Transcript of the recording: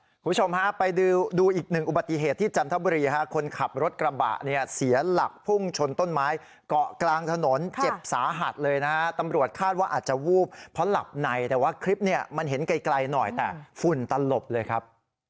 คุณผู้ชมฮะไปดูอีกหนึ่งอุบัติเหตุที่จันทบุรีฮะคนขับรถกระบะเนี่ยเสียหลักพุ่งชนต้นไม้เกาะกลางถนนเจ็บสาหัสเลยนะฮะตำรวจคาดว่าอาจจะวูบเพราะหลับในแต่ว่าคลิปเนี่ยมันเห็นไกลหน่อยแต่ฝุ่นตลบเลยครับ